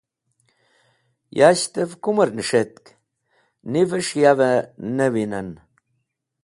Yashtẽv kumẽr nẽs̃htk nivẽsh yavẽ ne winẽn.